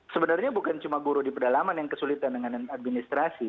sebenarnya bukan cuma guru di pedalaman yang kesulitan dengan administrasi